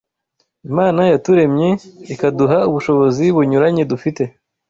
Imana yaturemye, ikaduha ubushobozi bunyuranye dufite